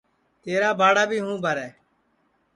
تیرا بھاڑا بھی ہوں بھرے